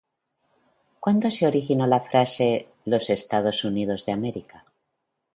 ¿Cuándo se originó la frase “Los Estados Unidos de América”?